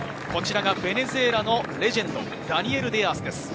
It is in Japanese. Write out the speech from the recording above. ベネズエラのレジェンド、ダニエル・デアースです。